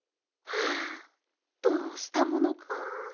はあどうしたものか。